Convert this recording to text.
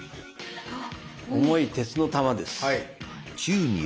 重い鉄の球です。